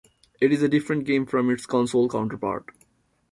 It is a different game from its console counterpart.